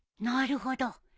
なるほど。